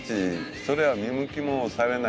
そりゃ見向きもされない